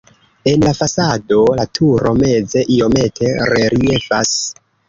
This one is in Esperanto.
En la fasado la turo meze iomete reliefas.